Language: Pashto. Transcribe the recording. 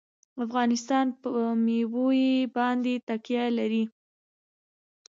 افغانستان په مېوې باندې تکیه لري.